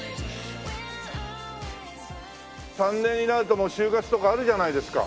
３年になると就活とかあるじゃないですか。